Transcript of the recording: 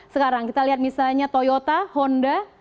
sekarang kita lihat misalnya toyota honda